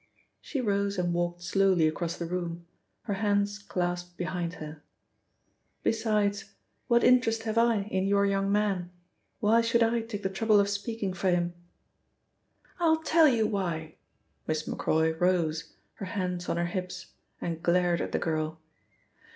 She rose and walked slowly across the room, her hands clasped behind her. "Besides, what interest have I in your young man? Why should I take the trouble of speaking for him?" "I'll tell you why." Miss Macroy rose, her hands on her hips, and glared at the girl.